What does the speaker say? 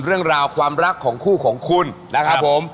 เรื่องราวความรักของคู่ของคุณนะครับผม